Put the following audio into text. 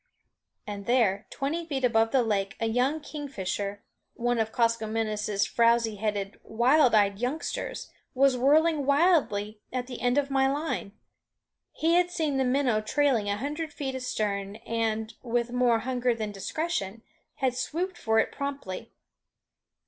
And there, twenty feet above the lake, a young kingfisher one of Koskomenos' frowzy headed, wild eyed youngsters was whirling wildly at the end of my line. He had seen the minnow trailing a hundred feet astern and, with more hunger than discretion, had swooped for it promptly.